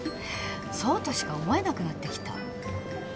そうとしか思えなくなってきた。